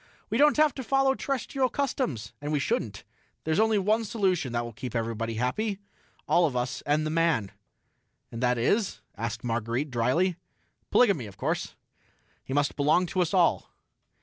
"We don't have to follow terrestrial customs, and we shouldn't. There's only one solution that will keep everybody happy all of us and the man." "And that is...?" asked Marguerite drily. "Polygamy, of course. He must belong to us all."